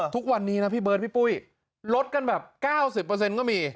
ทุกวันนี้นะพี่เบิร์ดพี่ปุ้ยลดกันแบบ๙๐ก็มี